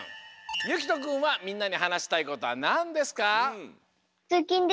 ゆきとくんはみんなにはなしたいことはなんですか？